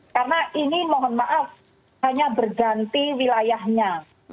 karena ini mohon maaf hanya berganti wilayahnya